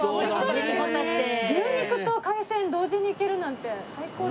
牛肉と海鮮同時にいけるなんて最高ですよ。